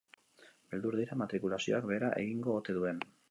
Beldur dira matrikulazioak behera egingo ote duen.